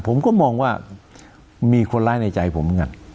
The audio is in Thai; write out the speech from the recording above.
ผมก็มองว่ามีคนร้ายในใจผม